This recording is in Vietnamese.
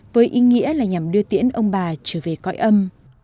với ý nghĩa là nhằm đưa tiễn ông bà trở về cõi âm